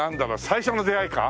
「最初の出会い」か？